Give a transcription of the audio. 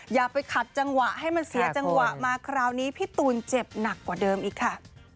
อย่าไปขัดจังหวะให้มันเสียจังหวะมาคราวนี้พี่ตูนเจ็บหนักกว่าเดิมอีกค่ะ